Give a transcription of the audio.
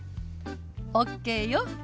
ＯＫよ。